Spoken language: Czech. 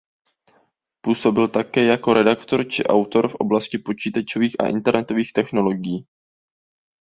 Působil také jako redaktor či autor v oblasti počítačových a internetových technologií.